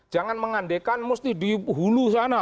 jangan mengandekan mesti di hulu sana